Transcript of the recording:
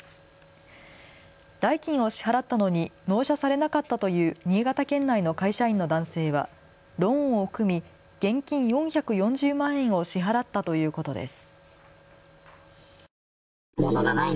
代金を支払ったのに納車されなかったという新潟県内の会社員の男性はローンを組み現金４４０万円を支払ったということです。